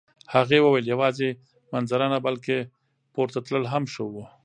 هغې وویل یوازې منظره نه، بلکه پورته تلل هم ښه وو.